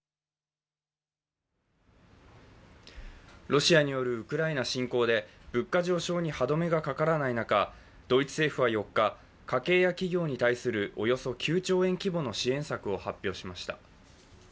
ロシアによるウクライナ侵攻で物価上昇に歯止めがかからない中、ドイツ政府は４日、家計や企業に対するおよそ９兆円規模の支援策を発表しました。